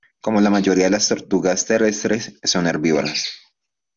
Como la mayoría de tortugas terrestres, son herbívoras.